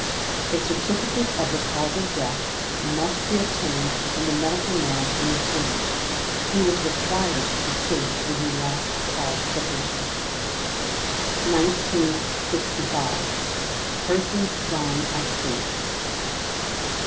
A certificate of the cause of death must be obtained from the medical man in attendance, who is required to state when he last saw the patient. 1965. Persons dying at Sea.